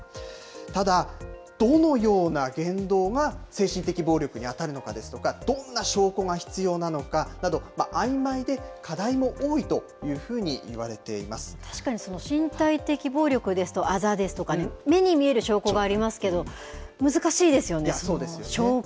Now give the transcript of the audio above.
ただ、どのような言動が精神的暴力に当たるのかですとか、どんな証拠が必要なのかなど、あいまいで課題も多いというふうにいわれ確かに身体的暴力ですと、あざですとかね、目に見える証拠がありますけれども、難しいですよいや、そうですよね。